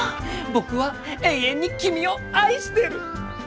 僕は永遠に君を愛してる！